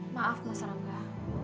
maaf mas rangga